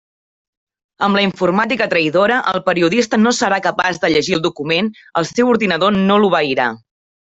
Amb la informàtica traïdora, el periodista no serà capaç de llegir el document, el seu ordinador no l'obeirà.